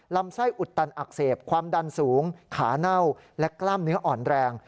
ลำไส้อุดตันอักเสบความดันสูงขาเน่าและกล้ามเนื้ออ่อนแรง